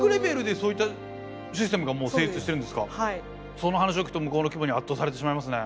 その話を聞くと向こうの規模に圧倒されてしまいますね。